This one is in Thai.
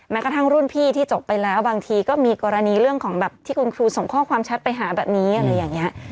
กระทั่งรุ่นพี่ที่จบไปแล้วบางทีก็มีกรณีเรื่องของแบบที่คุณครูส่งข้อความแชทไปหาแบบนี้อะไรอย่างนี้